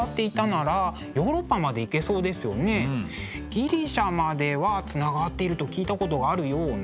ギリシャまではつながっていると聞いたことがあるような。